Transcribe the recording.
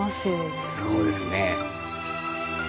そうですね。